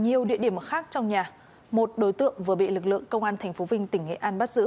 nhiều địa điểm khác trong nhà một đối tượng vừa bị lực lượng công an tp vinh tỉnh nghệ an bắt giữ